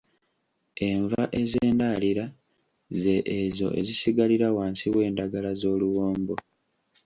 Enva ez’endalira ze ezo ezisigalira wansi w’endagala z’oluwombo.